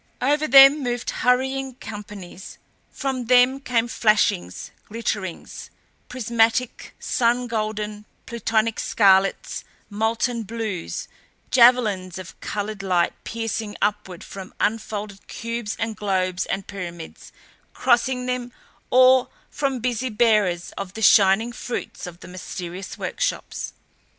Over them moved hurrying companies; from them came flashings, glitterings prismatic, sun golden; plutonic scarlets, molten blues; javelins of colored light piercing upward from unfolded cubes and globes and pyramids crossing them or from busy bearers of the shining fruits of the mysterious workshops.